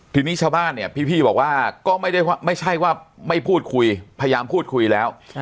ทีนี้ชาวบ้านเนี่ยพี่บอกว่าก็ไม่ใช่ว่าไม่พูดคุยพยายามพูดคุยแล้ว